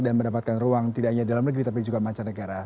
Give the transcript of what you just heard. dan mendapatkan ruang tidak hanya dalam negeri tapi juga di mancanegara